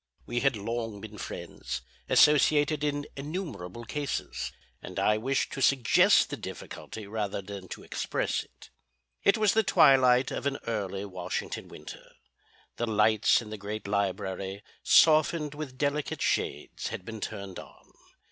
We had long been friends; associated in innumerable cases, and I wished to suggest the difficulty rather than to express it. It was the twilight of an early Washington winter. The lights in the great library, softened with delicate shades, had been turned on.